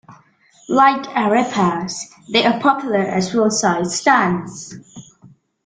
Like "arepas", they are popular at roadside stands.